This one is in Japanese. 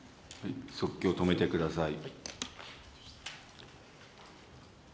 速記を止めてください。